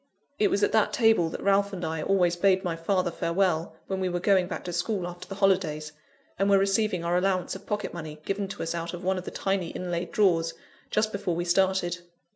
It was at that table that Ralph and I always bade my father farewell, when we were going back to school after the holidays, and were receiving our allowance of pocket money, given to us out of one of the tiny inlaid drawers, just before we started.